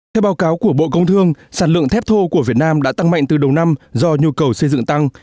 theo báo cáo của bộ công thương sản lượng thép thô của việt nam đã tăng mạnh từ đầu năm do nhu cầu xây dựng tăng